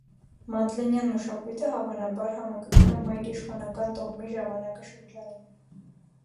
Մադլենյան մշակույթը, հավանաբար, համընկնում է մայրիշխանական տոհմի ժամանակաշրջանին։